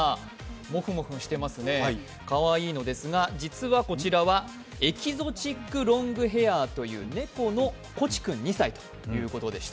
もふもふしてますね、かわいいのですが、実はこちらはエキゾチックロングヘアという猫のこち君２歳ということでした。